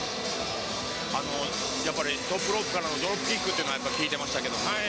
やっぱりトップロープからのドロップキックっていうのは、やっぱ効いてましたけども。